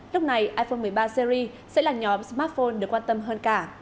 lúc này iphone một mươi ba syri sẽ là nhóm smartphone được quan tâm hơn cả